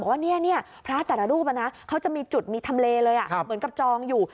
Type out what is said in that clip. ว่าพระแต่ละรูปเขาจะมีจุดมีทำเลเลยเหมือนกับจองอยู่